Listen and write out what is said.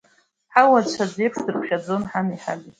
Ҳауацәа аӡә еиԥш дырԥхьаӡон ҳани ҳаби.